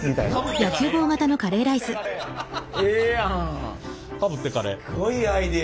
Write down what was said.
すごいアイデア。